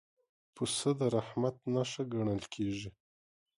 پسه د رحمت نښه ګڼل کېږي.